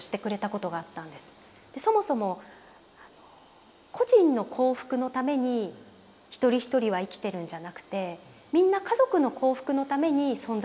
そもそも個人の幸福のために一人一人は生きてるんじゃなくてみんな家族の幸福のために存在して生きてるんだと。